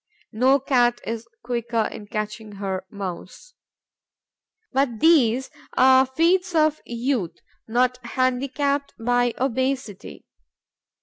No Cat is quicker in catching her Mouse. But these are the feats of youth not handicapped by obesity.